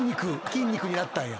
筋肉になったんや。